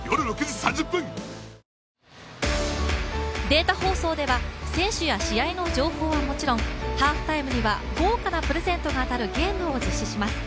データ放送では選手や試合の情報はもちろんハーフタイムには豪華なプレゼントが当たるゲームを実施します。